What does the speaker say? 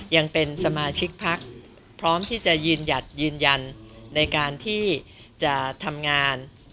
ยังเป็นสมาชิกพักพร้อมที่จะยืนหยัดยืนยันในการที่จะทำงาน